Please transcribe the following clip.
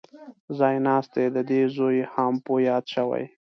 ځای ناست یې دده زوی هامپو یاد شوی.